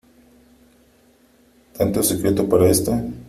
¿ tanto secreto para esto ?